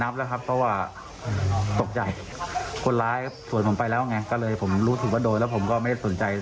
ก็รู้สึกเจ็บแป๊บเลยครับเขาก็บอกเขาก็เสียใจครับเขาบอกว่าไม่อยากให้เกิด